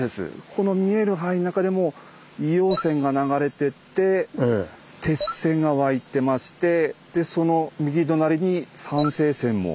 この見える範囲の中でも硫黄泉が流れてて鉄泉が湧いてましてその右隣に酸性泉も。